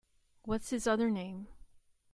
What’s his other name?